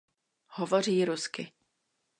Hovoří rusky.